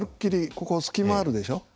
ここ隙間あるでしょ。